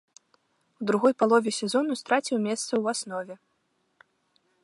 У другой палове сезону страціў месца ў аснове.